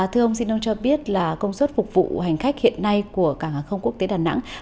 thưa ông xin ông cho biết là công suất phục vụ hành khách hiện nay của cảng hàng không quốc tế đà nẵng